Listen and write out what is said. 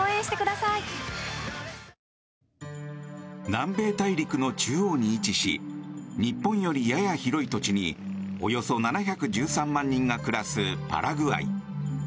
南米大陸の中央に位置し日本よりやや広い土地におよそ７１３万人が暮らすパラグアイ。